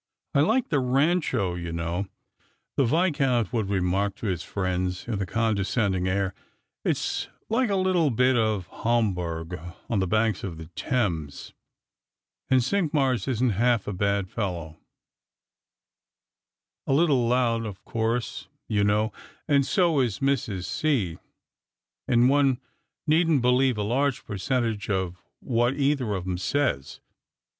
" I like the Rancho, you know," the Viscount would remark to his friends, with a condescending air ;" it's like a little bit of Hombourg on the banks of the Thames; and Cinqmars isn't half a bad fellow — a little loud of course, you know ; and so is Mrs. C. ; and one needn't believe a large percentage of what either of 'em says.